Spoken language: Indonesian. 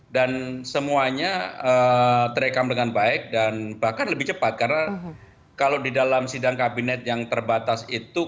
dan semuanya terekam dengan baik dan bahkan lebih cepat karena kalau di dalam sidang kabinet yang terbatas itu